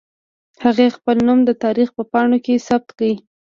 هغې خپل نوم د تاريخ په پاڼو کې ثبت کړ.